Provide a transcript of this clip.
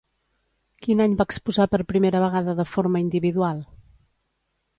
Quin any va exposar per primera vegada de forma individual?